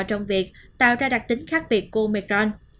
trong việc tạo ra đặc tính khác biệt của micron